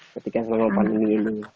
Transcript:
ketika pandemi ini